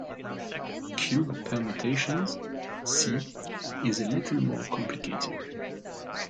Cube permutations, "C", is a little more complicated.